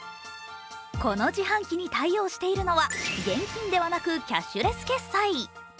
この自販機に対応しているのは現金ではなくキャッシュレス決済。